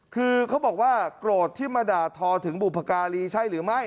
คือเขาบอกว่าโกรธที่มาด่าทอถึงบุพการีใช่หรือไม่